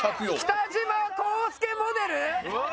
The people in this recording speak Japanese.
北島康介モデル？